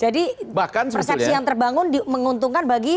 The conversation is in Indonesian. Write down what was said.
jadi persepsi yang terbangun menguntungkan bagi